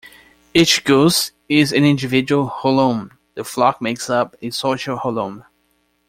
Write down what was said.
Each goose is an individual holon, the flock makes up a social holon.